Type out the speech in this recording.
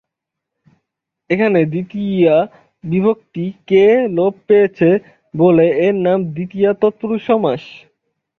এখানে দ্বিতীয়া বিভক্তি 'কে' লোপ পেয়েছে বলে এর নাম দ্বিতীয়া তৎপুরুষ সমাস।